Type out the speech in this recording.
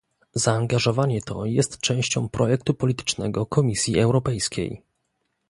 Zaangażowanie to jest częścią projektu politycznego Komisji Europejskiej